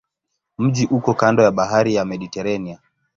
Mji uko kando ya bahari ya Mediteranea.